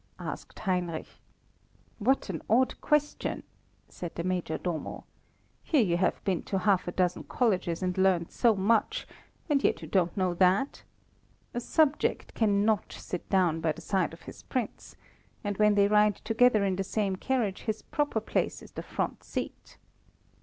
asked Heinrich. "What an odd question!" said the Major Domo. "Here you have been to half a dozen colleges, and learnt so much, and yet you don't know that! A subject cannot sit down by the side of his Prince; and when they ride together in the same carriage his proper place is the front seat."